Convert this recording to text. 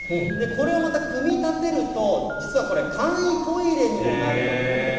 これをまた組み立てると、実はこれ、簡易トイレにもなるということで。